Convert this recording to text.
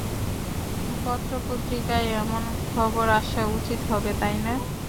পত্র-পত্রিকায় এমন খবর আসা উচিত হবে, তাই না?